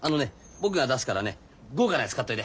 僕が出すからね豪華なやつ買っといで。